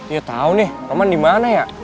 ya tau nih roman dimana ya